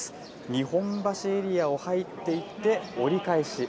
日本橋エリアを入っていって、折り返し。